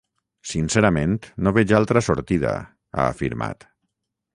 Sincerament no veig altra sortida, ha afirmat.